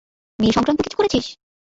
মেয়ে সংক্রান্ত কিছু করেছিস?